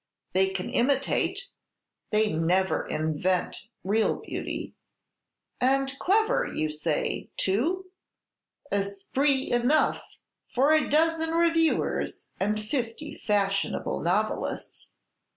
They can imitate, they never invent real beauty." "And clever, you say, too?" "Esprit enough for a dozen reviewers and fifty fashionable novelists."